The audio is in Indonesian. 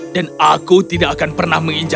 dan aku tidak akan pernah melakukannya